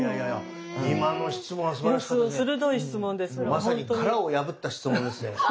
まさに殻を破った質問ですね。